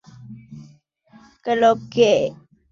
Se filmó en Sudáfrica, Namibia y Mozambique.